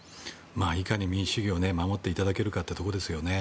いかに民主主義を守っていただけるかですよね。